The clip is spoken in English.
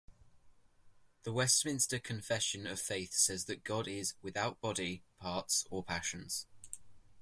The Westminster Confession of Faith says that God is "without body, parts, or passions".